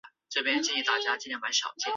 第二届至第三届采北市资优联招。